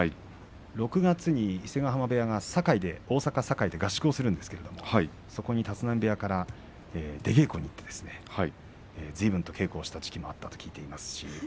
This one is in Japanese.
６月に伊勢ヶ濱部屋が大阪の堺で合宿をしましたがそこに立浪部屋から出稽古に行ってずいぶん稽古をした時期もあったという話を聞いています。